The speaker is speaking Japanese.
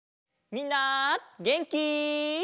みんなげんき？